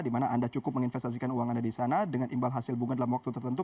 di mana anda cukup menginvestasikan uang anda di sana dengan imbal hasil bunga dalam waktu tertentu